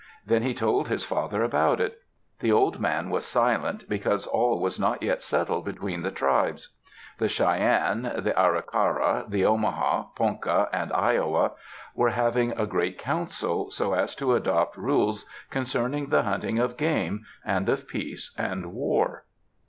Then he told his father about it. The old man was silent because all was not yet settled between the tribes. The Cheyenne, the Arikara, the Omaha, Ponca, and Iowa were having a great council, so as to adopt rules concerning the hunting of game, and of peace, and war.